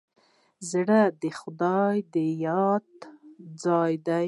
زړه د خدای د یاد ځای دی.